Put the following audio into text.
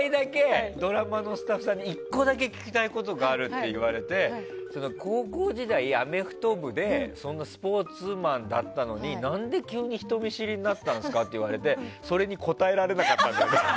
ドラマのスタッフさんに１個だけ聞きたいことがあるって言われて高校時代アメフト部でスポーツマンだったのに何で急に人見知りになったんですかって言われてそれに答えられなかった俺。